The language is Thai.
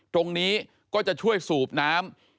ตรงนี้ก็จะช่วยสูบน้ำ